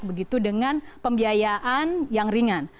begitu dengan pembiayaan yang ringan